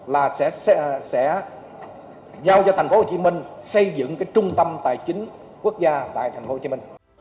là sẽ giao cho tp hcm xây dựng trung tâm tài chính quốc gia tại tp hcm